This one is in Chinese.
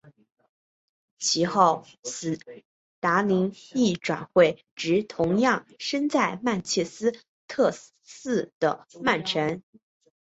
其后史达宁亦转会至同样身在曼彻斯特市的曼城。